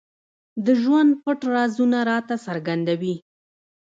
د ژوند پټ رازونه راته څرګندوي.